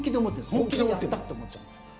本気でやったと思っちゃうんです。